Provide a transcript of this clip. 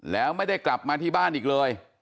แล้วไม่ได้กลับมาที่บ้านอีกเลย